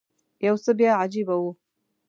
یو څه بیا عجیبه و.